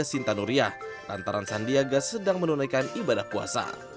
di kota sinta nuria lantaran sandiaga sedang menunaikan ibadah puasa